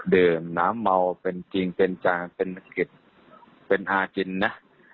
ดื่มน้ำเมาเป็นจริงเป็นจังเป็นกิจเป็นฮากินนะ